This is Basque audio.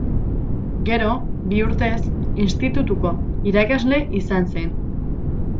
Gero, bi urtez, institutuko irakasle izan zen.